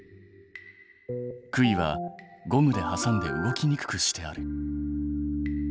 杭はゴムではさんで動きにくくしてある。